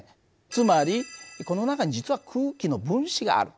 つまりこの中に実は空気の分子がある。